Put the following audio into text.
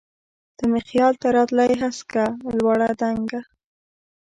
ته مي خیال ته راتلی هسکه، لوړه، دنګه